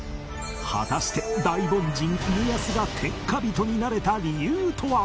果たして大凡人家康が天下人になれた理由とは？